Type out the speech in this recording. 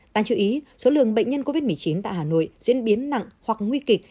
đáng chú ý số lượng bệnh nhân covid một mươi chín tại hà nội diễn biến nặng hoặc nguy kịch